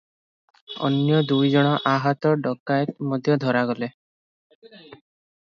ଅନ୍ୟ ଦୁଇ ଜଣ ଆହତ ଡକାଏତ ମଧ୍ୟ ଧରାଗଲେ ।